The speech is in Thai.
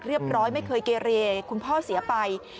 เรียบร้อยไม่เคยเกเรคุณพ่อเสียไป